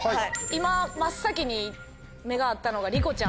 今真っ先に目が合ったのが。